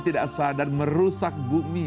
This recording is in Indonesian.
tidak sadar merusak bumi